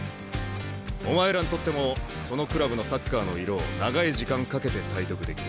お前らにとってもそのクラブのサッカーのイロを長い時間かけて体得できる。